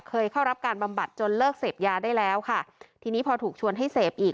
เคยเข้ารับการบำบัดจนเลิกเสพยาได้แล้วค่ะทีนี้พอถูกชวนให้เสพอีก